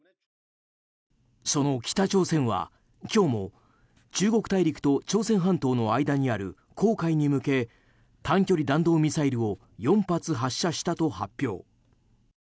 その北朝鮮は今日も中国大陸と朝鮮半島の間にある黄海に向け短距離弾道ミサイルを４発発射したと発表。